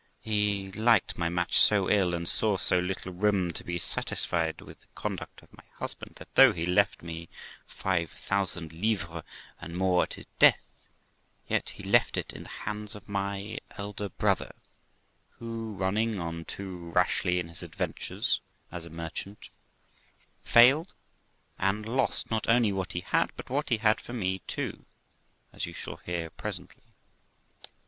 He liked my match so ill, and saw so little room to be satisfied with the conduct of my husband, that though he left me five thousand livres, and more, at his death, yet he left it in the hands of my elder brother, who, running on too rashly in his adven tures as a merchant, failed, and lost not only what he had, but what he had for me too, as you shall hear presently.